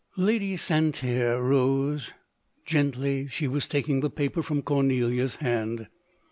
Lady Santerre rose — gently she was taking the paper from Cornelia's hand.